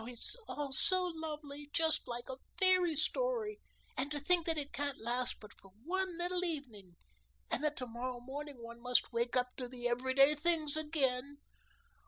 it's all so lovely, just like a fairy story; and to think that it can't last but for one little evening, and that to morrow morning one must wake up to the every day things again!"